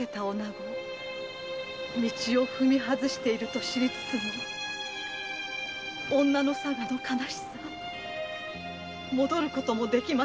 道を踏み外していると知りつつも女の性の悲しさで戻る事もできませず。